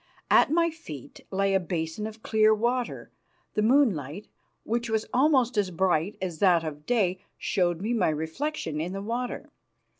At my feet lay a basin of clear water; the moonlight, which was almost as bright as that of day, showed me my reflection in the water.